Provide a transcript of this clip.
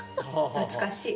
懐かしい。